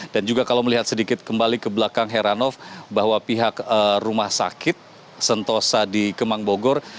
dan juga kalau melihat sedikit kembali ke belakang heranov bahwa pihak rumah sakit sentosa di kemang bogor